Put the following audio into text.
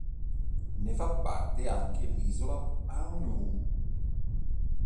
Ne fa parte anche l'isola Aunu'u.